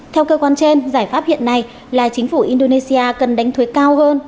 theo cơ quan trên giải pháp hiện nay là chính phủ indonesia cần đánh thuế cao hơn